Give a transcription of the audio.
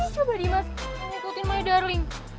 coba dimasukin ikutin my darling